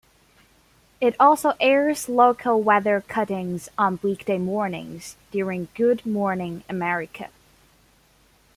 It also airs local weather cut-ins on weekday mornings during "Good Morning America".